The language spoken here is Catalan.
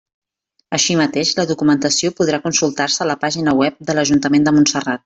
Així mateix, la documentació podrà consultar-se a la pàgina web de l'Ajuntament de Montserrat.